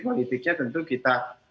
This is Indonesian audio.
politiknya tentu kita